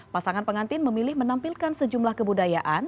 pasangan pengantin memilih menampilkan sejumlah kebudayaan